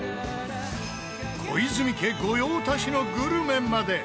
小泉家御用達のグルメまで。